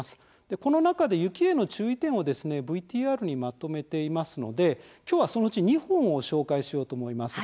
この中で、雪への注意点をＶＴＲにまとめていますので今日はそのうち２本を紹介しようと思います。